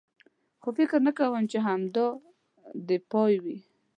خو فکر نه کوم، چې همدا دی یې پای وي.